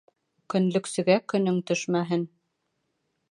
Көнлөксөгә көнөң төшмәһен.